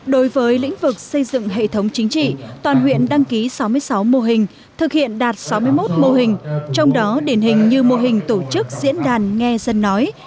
đối với lĩnh vực xây dựng hệ thống chính trị toàn huyện đăng ký sáu mươi sáu mô hình thực hiện đạt sáu mươi một mô hình trong đó điển hình như mô hình tổ chức diễn đàn nghe dân nói